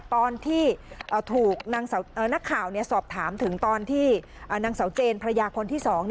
ตอนที่ถูกนักข่าวสอบถามถึงตอนที่นางเสาเจนภรรยาคนที่๒